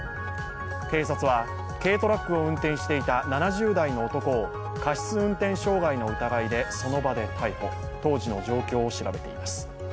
警察は、軽トラックを運転していた７０代の男を過失運転傷害の疑いでその場で逮捕、当時の状況を調べています。